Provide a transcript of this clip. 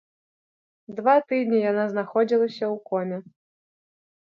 Два тыдні яна знаходзілася ў коме.